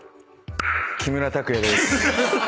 木村拓哉です。